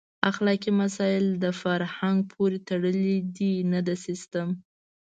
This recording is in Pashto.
اخلاقي مسایل د فرهنګ پورې تړلي دي نه د سیسټم.